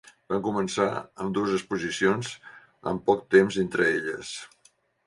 Van començar amb dues exposicions amb poc temps entre elles.